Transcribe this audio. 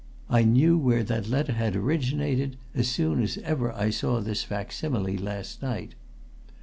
I knew where that letter had originated as soon as ever I saw this facsimile last night."